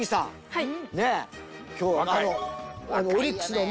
はい。